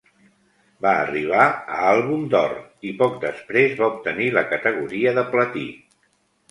Va arribar a àlbum d'or i poc després va obtenir la categoria de platí.